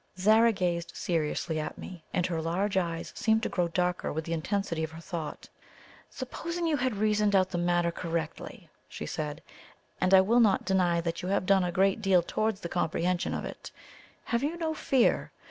Zara gazed seriously at me, and her large eyes seemed to grow darker with the intensity of her thought. "Supposing you had reasoned out the matter correctly," she said "and I will not deny that you have done a great deal towards the comprehension of it have you no fear?